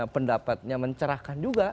pendapatnya mencerahkan juga